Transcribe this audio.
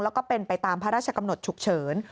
แล้วก็เป็นไปตามพระราชกำหนดฉุกเฉิน